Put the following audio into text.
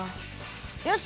よし！